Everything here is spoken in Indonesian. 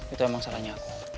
itu emang salahnya aku